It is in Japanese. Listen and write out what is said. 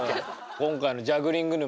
今回の「ジャグリング沼」